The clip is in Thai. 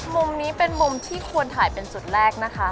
มุมนี้เป็นมุมที่ควรถ่ายเป็นจุดแรกนะคะ